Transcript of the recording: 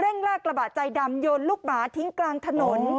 เร่งรากระบาดใจดำโยนลูกหมาทิ้งกลางถนนอ๋อ